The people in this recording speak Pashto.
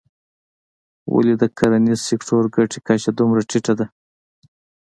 ولې د کرنیز سکتور ګټې کچه دومره ټیټه ده.